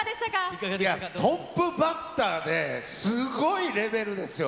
いや、トップバッターですごいレベルですよ。